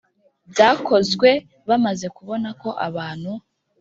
byakozwe bamaze kubona ko abantu